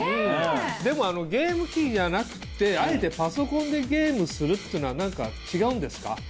でもゲーム機じゃなくてあえてパソコンでゲームするっていうのは何か違うんですか？